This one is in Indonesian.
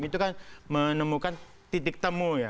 itu kan menemukan titik temu ya